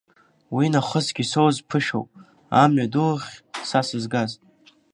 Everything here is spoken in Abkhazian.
Уи нахысгьы исоуз ԥышәоуп, амҩа ду ахь са сызга.